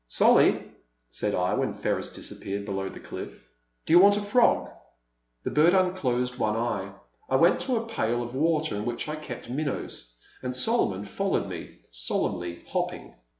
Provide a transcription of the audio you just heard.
Solly," said I, when Ferris disappeared below the diflF, do you want a fi og ?" The bird unclosed one eye. I went to a pail of water in which I kept minnows, and Solomon followed me, solemnly hopping.